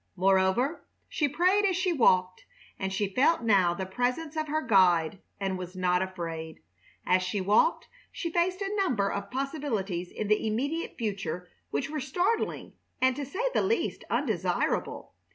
Moreover, she prayed as she walked, and she felt now the presence of her Guide and was not afraid. As she walked she faced a number of possibilities in the immediate future which were startling, and to say the least, undesirable.